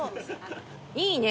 いいね